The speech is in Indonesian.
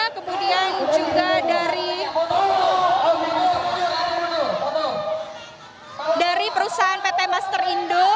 kemudian juga dari perusahaan pt master indo